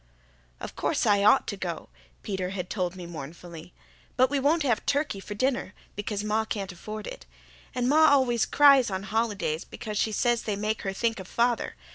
"Of course I ought to go," Peter had told me mournfully, "but we won't have turkey for dinner, because ma can't afford it. And ma always cries on holidays because she says they make her think of father.